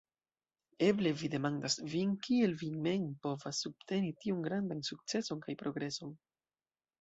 Eble vi demandas vin, kiel vi mem povas subteni tiun grandan sukceson kaj progreson.